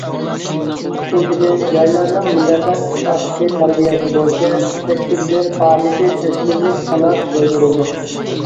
ئىككىنچىدىن، جايلارنىڭ مىللەتلەر ئىتتىپاقلىقى تەربىيەسى بويىچە‹‹ سەككىز بىر›› پائالىيىتى تەشكىللىك قانات يايدۇرۇلىدۇ.